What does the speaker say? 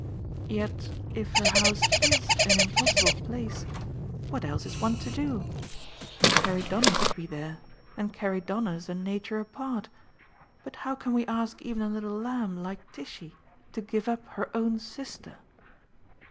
Yet if her house IS an impossible place what else is one to do? Carrie Donner's to be there, and Carrie Donner's a nature apart; but how can we ask even a little lamb like Tishy to give up her own sister?"